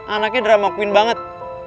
anaknya drama queen banget